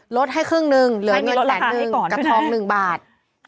ลดให้ครึ่งหนึ่งเหลือเงินแสนนึงกับทอง๑บาท